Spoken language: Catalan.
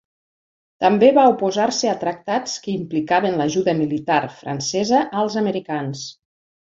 També va oposar-se a tractats que implicaven l'ajuda militar francesa als americans.